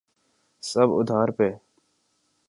سب ادھار پہ۔